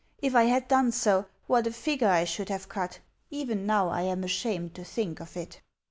If I had done so, what a figure I should have cut! Even now I am ashamed to think of it.